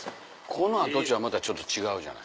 この跡地はまたちょっと違うじゃない。